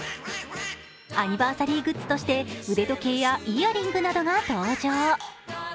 アニバーサリーグッズとして腕時計やイヤリングなどが登場。